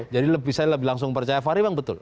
jadi saya lebih langsung percaya fahri bang betul